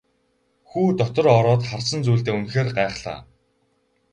Хүү дотор ороод харсан зүйлдээ үнэхээр гайхлаа.